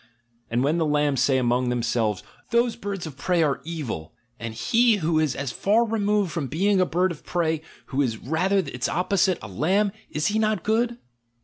And when the lambs say among themselves, "Those birds of prey are evil, and he who is as far removed from being a bird of prey, who is rather its opposite, a lamb, — is he not good?"